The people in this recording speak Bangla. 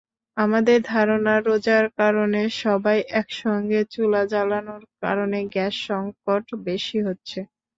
আমাদের ধারণা, রোজার কারণে সবাই একসঙ্গে চুলা জ্বালানোর কারণে গ্যাস-সংকট বেশি হচ্ছে।